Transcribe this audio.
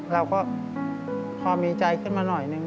เราก็พอมีใจขึ้นมาหน่อยนึง